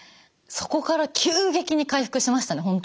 そこから急激に回復しましたね